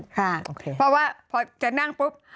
ค่ะโอเคเพราะว่าพอจะนั่งปุ๊บ